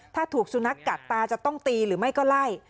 ถ้าถูกสุนัขกัดตาจะต้องตีหรือไม่ก็ไล่